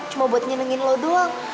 cuma buat nyenengin lo doang